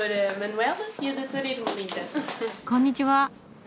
こんにちは。